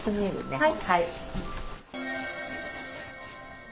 はい！